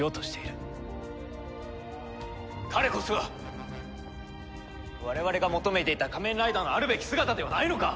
彼こそが我々が求めていた仮面ライダーのあるべき姿ではないのか！？